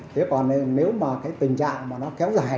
thế còn nếu mà tình trạng nó kéo dài